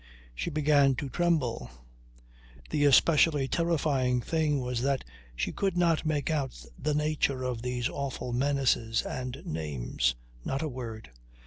She began to tremble. The especially terrifying thing was that she could not make out the nature of these awful menaces and names. Not a word.